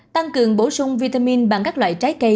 tăng cường bổ sung vitamin bằng các loại trái cây